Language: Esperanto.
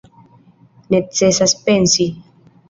Necesas pensi.